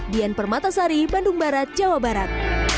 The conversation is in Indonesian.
dian permatasari bandung barat jawa barat